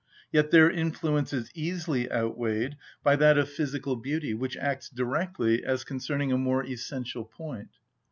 Yet their influence is easily outweighed by that of physical beauty, which acts directly, as concerning a more essential point.